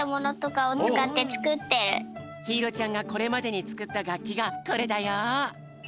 ひいろちゃんがこれまでにつくったがっきがこれだよ。